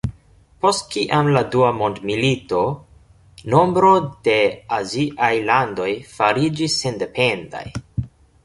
Post kiam la dua mondmilito, nombro de aziaj landoj fariĝis sendependaj.